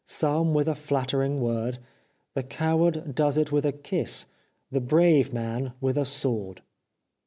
Some with a flattering word. The coward does it with a kiss. The brave man with a sword